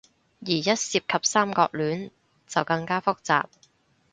而一涉及三角戀，就更加複雜